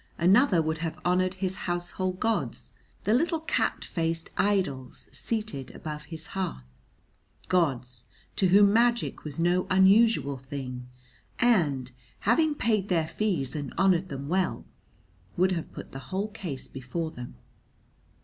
Another would have honoured his household gods, the little cat faced idols seated above his hearth, gods to whom magic was no unusual thing, and, having paid their fees and honoured them well, would have put the whole case before them.